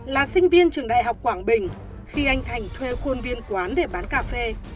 là sinh viên trường đại học quảng bình khi anh thành thuê khuôn viên quán để bán cà phê